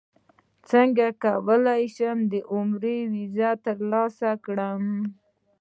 څنګه کولی شم د عمرې ویزه ترلاسه کړم